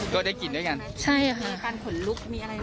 ก็ได้กินด้วยกันใช่ค่ะการขนลุกมีอะไร